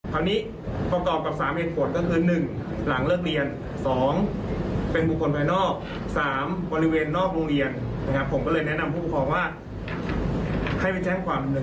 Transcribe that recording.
คุมนี้เคยพัดกันไว้คุมนี้เคยยกพวกไปหาคุมนี้